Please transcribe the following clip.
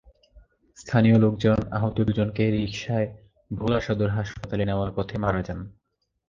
স্থানীয় লোকজন আহত দুজনকে রিকশায় ভোলা সদর হাসপাতালে নেওয়ার পথে মারা যান।